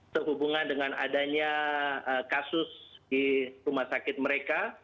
sehubungan dengan adanya kasus di rumah sakit mereka